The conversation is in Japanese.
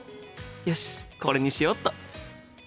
よしこれにしよっと！